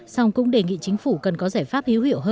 song cũng đề nghị chính phủ cần có giải quyết